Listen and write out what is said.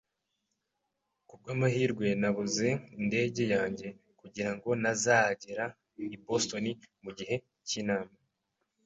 Kubwamahirwe, nabuze indege yanjye, kugirango ntazagera i Boston mugihe cyinama